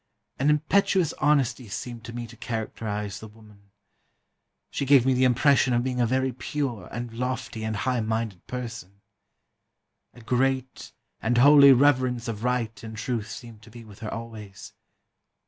An impetuous honesty seemed to me to characterise the woman.... She gave me the impression of being a very pure, and lofty, and high minded person. A great and holy reverence of right and truth seemed to be with her always.